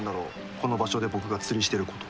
この場所で僕が釣りしてること。